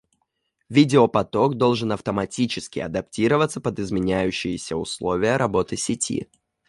Видеопоток должен автоматически адаптироваться под изменяющиеся условия работы сети